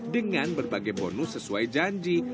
dengan berbagai bonus sesuai janji